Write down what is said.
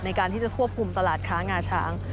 ในการที่จะควบคุมตลาดค้างาช้าง